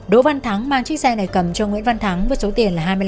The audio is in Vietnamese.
đỗ văn thắng mang chiếc xe này cầm cho nguyễn văn thắng với số tiền là hai mươi năm